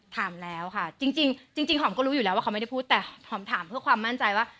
ถามแล้วค่ะจริงหอมก็รู้อยู่แล้วว่าเขาไม่ได้พูดแต่หอมถามเพื่อความมั่นใจว่า